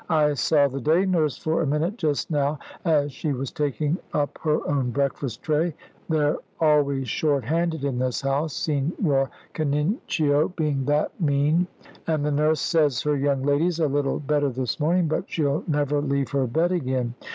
I saw the day nurse for a minute just now, as she was taking up her own breakfast tray they're always short handed in this house, Signor Canincio being that mean and the nurse says her young lady's a little better this morning but she'll never leave her bed again.